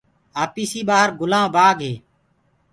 آپيسي ٻآهر گُلآن بآگ هي